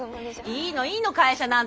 いのいの会社なんて。